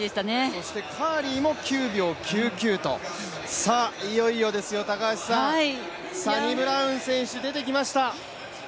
そしてカーリーも９秒９９と、いよいよですよ高橋さん、サニブラウン選手出てきました。